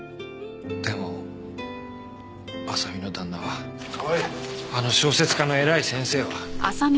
でも麻未の旦那はあの小説家の偉い先生は。